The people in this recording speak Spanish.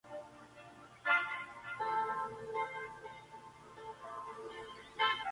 Nació probablemente en Adrianópolis, donde su familia tenía tierras hereditarias.